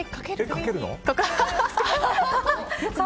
かけるの？